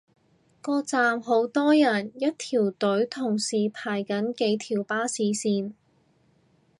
個站好多人，一條隊同時排緊幾條巴士線